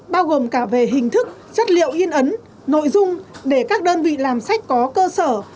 bao gồm cả về hình thức chất liệu in ấn nội dung để các đơn vị làm sách có cơ sở